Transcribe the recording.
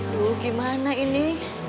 tuh gimana ini